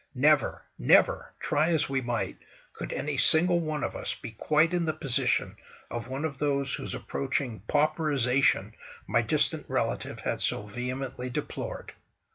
Never, never—try as we might—could any single one of us be quite in the position of one of those whose approaching pauperisation my distant relative had so vehemently deplored.